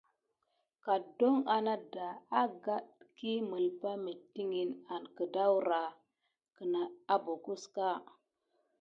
Ka adon anada agaɗɗa yi melipa metikini an katurhu kenani.